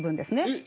え？